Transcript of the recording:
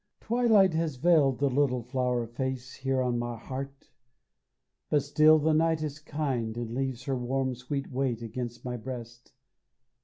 Twilight has veiled the little flower face Here on my heart, but still the night is kind And leaves her warm sweet weight against my breast.